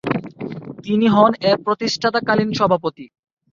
তিনি হন এর প্রতিষ্ঠাতাকালীন সভাপতি।